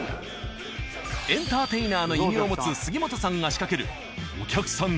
エンターテイナーの異名を持つ杉本さんが仕掛けるお客さん